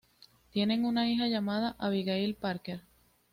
Tienen una hija llamada Abigail Parker.